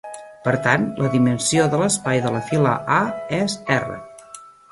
Per tant, la dimensió de l'espai de la fila "A" és "r".